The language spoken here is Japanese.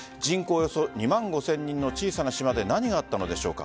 およそ２万５０００人の小さな島で何があったのでしょうか。